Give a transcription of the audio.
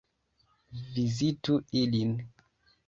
Vizitu ilin!